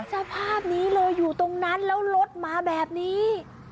สภาพนี้เลยอยู่ตรงนั้นแล้วรถมาแบบนี้